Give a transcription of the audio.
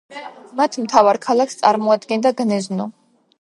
მათ მთავარ ქალაქს წარმოადგენდა გნეზნო.